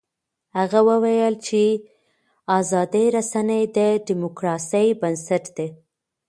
هغه وویل چې ازادې رسنۍ د ډیموکراسۍ بنسټ دی.